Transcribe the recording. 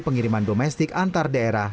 pengiriman domestik antar daerah